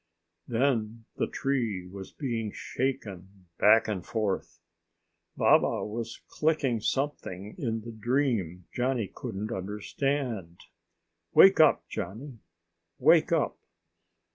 Then the tree was being shaken back and forth. Baba was clicking something in the dream Johnny couldn't understand. "Wake up, Johnny! Wake up!"